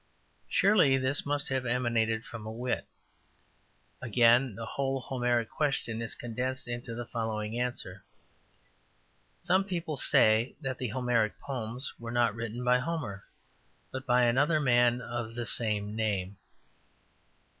'' Surely this must have emanated from a wit! Again, the whole Homeric question is condensed into the following answer: ``Some people say that the Homeric poems were not written by Homer, but by another man of the same name.''